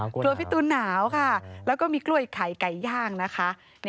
พี่ตูนหนาวค่ะแล้วก็มีกล้วยไข่ไก่ย่างนะคะ